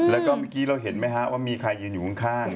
แล้วก็เมื่อกี้เราเห็นไหมฮะว่ามีใครยืนอยู่ข้าง